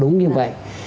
đúng như vậy